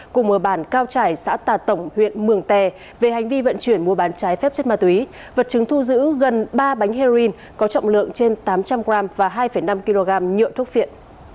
cùng ở bản cao trải xã tà tổng huyện mường tè về hành vi vận chuyển mua bán trái phép chất ma túy vật chứng thu giữ gần ba bánh heroin có trọng lượng trên tám trăm linh g và hai năm kg nhựa thuốc phiện